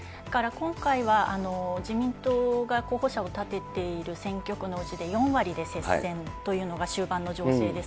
だから今回は自民党が候補者を立てている選挙区のうちで４割で接戦というのが終盤の情勢です。